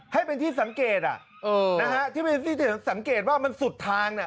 ให้เป็นที่สังเกตอ่ะเออนะฮะที่สังเกตว่ามันสุดทางน่ะ